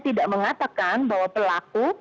tidak mengatakan bahwa pelaku